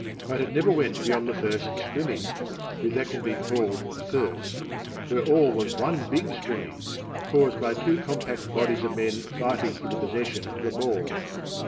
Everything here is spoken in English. But it never went beyond the first scrimmage, if that can be called a first where all was one big scrimmage, caused by two compact bodies of men fighting for the possession of a ball.